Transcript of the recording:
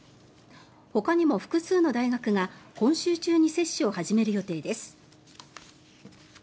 ほかにも複数の大学が今週中に接種を始める予定です。